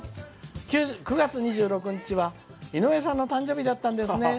「９月２６日は井上さんの誕生日だったんですね。